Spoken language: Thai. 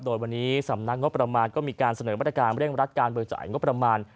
โดยวันนี้สำนักงบประมาณก็มีการเสนอมาตรการเร่งรัดการเบิกจ่ายงบประมาณ